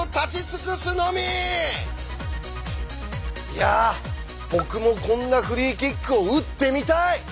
いや僕もこんなフリーキックを打ってみたい。